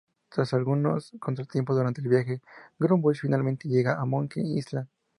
Tras algunos contratiempos durante el viaje, Guybrush finalmente llega a Monkey Island.